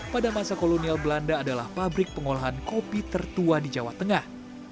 pada masa kolonial belanda adalah pabrik pengolahan kopi tertua di jawa tengah